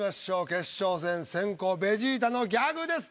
決勝戦先攻ベジータのギャグです。